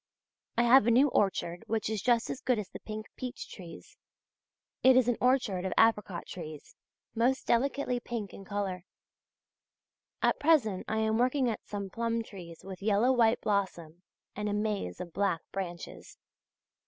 I have a new orchard which is just as good as the pink peach trees. It is an orchard of apricot trees, most delicately pink in colour. At present I am working at some plum trees with yellow white blossom and a maze of black branches.